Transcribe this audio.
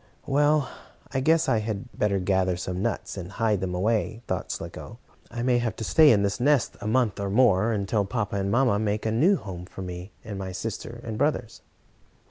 "Well, I guess I had better gather some nuts, and hide them away," thought Slicko. "I may have to stay in this nest a month or more, until papa and mamma make a new home for me, and my sister and brothers."